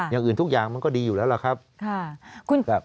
อย่างอื่นทุกอย่างมันก็ดีอยู่แล้วล่ะครับ